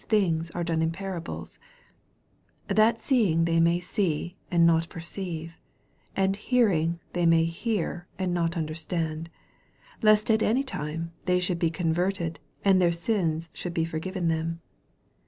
things are done in parables : 12 That seeing they may see, and not perceive ; and hearing they may hear, and not understand ; lest at any time they should be converted, and (heir sins should be forgiven them.